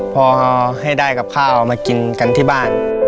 พอให้ได้กับข้าวมากินกันที่บ้าน